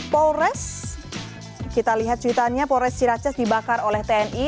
polres kita lihat cuitannya polres ciracas dibakar oleh tni